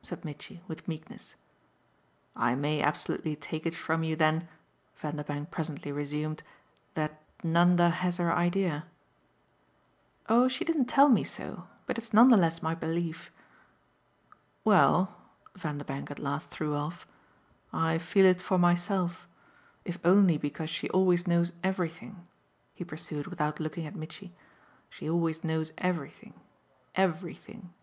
said Mitchy with meekness. "I may absolutely take it from you then," Vanderbank presently resumed, "that Nanda has her idea?" "Oh she didn't tell me so. But it's none the less my belief." "Well," Vanderbank at last threw off, "I feel it for myself. If only because she always knows everything," he pursued without looking at Mitchy. "She always knows everything, everything."